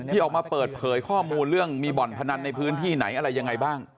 ออกมาเปิดเผยข้อมูลเรื่องมีบ่อนพนันในพื้นที่ไหนอะไรยังไงบ้าง